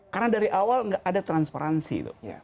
karena dari awal nggak ada transparansi itu